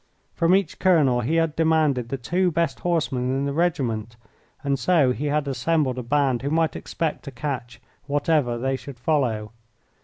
From each colonel he had demanded the two best horsemen in the regiment, and so he had assembled a band who might expect to catch whatever they should follow.